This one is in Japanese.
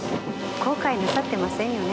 後悔なさってませんよね？